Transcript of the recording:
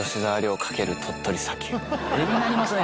画になりますね